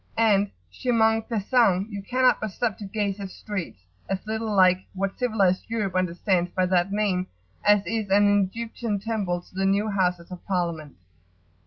And, chemin faisant, you cannot but stop to gaze at streets as little like what civilised Europe understands by that name as is an Egyptian temple to the new Houses of Parliament.